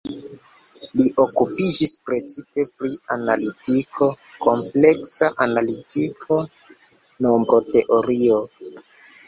Li okupiĝis precipe pri analitiko, kompleksa analitiko, nombroteorio.